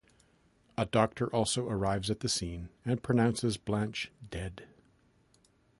A doctor also arrives at the scene and pronounces Blanche dead.